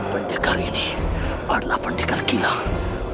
pendekar ini karena pendekar kilang